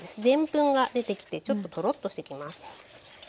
でんぷんが出てきてちょっとトロッとしてきます。